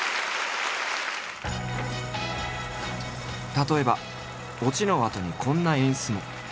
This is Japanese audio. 例えばオチのあとにこんな演出も。